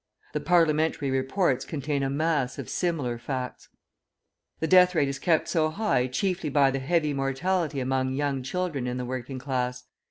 The Parliamentary reports contain a mass of similar facts. The death rate is kept so high chiefly by the heavy mortality among young children in the working class.